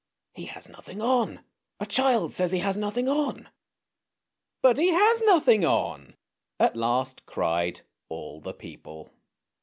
" He has nothing on; a child says he has nothing on! "" But he has nothing on! " at last cried all the people.